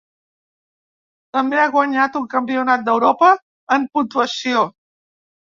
També ha guanyat un Campionat d'Europa en Puntuació.